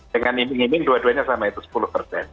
dengan iming iming dua duanya sama itu sepuluh persen